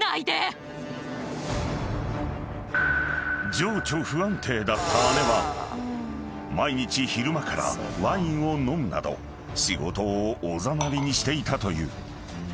［情緒不安定だった姉は毎日昼間からワインを飲むなど仕事をおざなりにしていたという］